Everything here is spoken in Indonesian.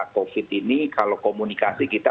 covid ini kalau komunikasi kita